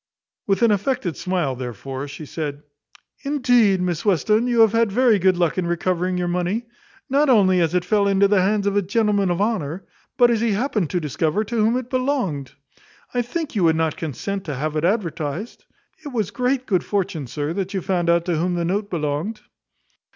With an affected smile, therefore, she said, "Indeed, Miss Western, you have had very good luck in recovering your money. Not only as it fell into the hands of a gentleman of honour, but as he happened to discover to whom it belonged. I think you would not consent to have it advertised. It was great good fortune, sir, that you found out to whom the note belonged."